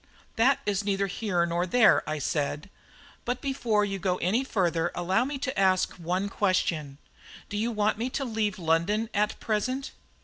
"That is neither here nor there," I said; "but before you go any further, allow me to ask one question. Do you want me to leave London at present?"